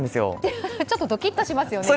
ちょっとドキッとしますよね。